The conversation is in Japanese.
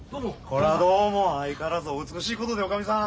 こらどうも相変わらずお美しいことでおかみさん。